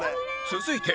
続いて